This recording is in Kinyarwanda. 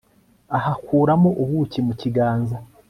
ahakuramo ubuki mu kiganza